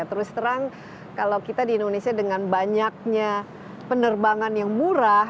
terus terang kalau kita di indonesia dengan banyaknya penerbangan yang murah